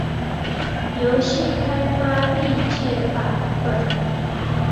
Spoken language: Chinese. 游戏开发历届版本